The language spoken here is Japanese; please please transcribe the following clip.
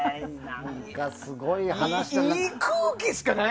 何かすごい話だな。